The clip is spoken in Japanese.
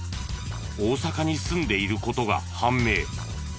大阪に住んでいる事が判明。